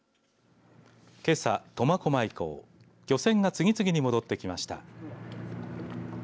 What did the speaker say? けさ、苫小牧港漁船が次々に戻ってきました。